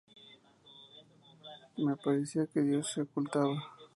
Me parecía que Dios se ocultaba"".